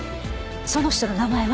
その人の名前は？